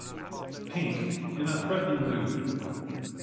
Pink in a Threatening Mood.